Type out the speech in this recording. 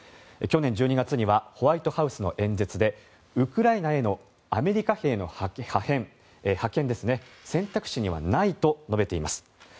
去年１２月にはホワイトハウスの演説でウクライナへのアメリカ兵の派遣選択肢にはないと述べています。